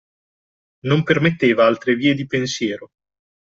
Non permetteva altre vie di pensiero.